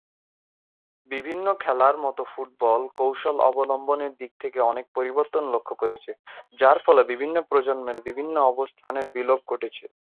বিভিন্ন খেলার মতো ফুটবল, কৌশল অবলম্বনের দিক থেকে অনেক পরিবর্তন লক্ষ্য করেছে, যার ফলে বিভিন্ন প্রজন্মে বিভিন্ন অবস্থানের বিলোপ ঘটেছে।